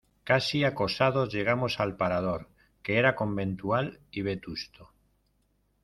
casi acosados, llegamos al parador , que era conventual y vetusto